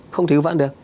không thể ưu vãn được